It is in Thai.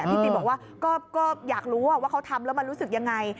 พี่ติบอกว่าก็อยากรู้ว่าเขาทำแล้วมันรู้สึกยังไง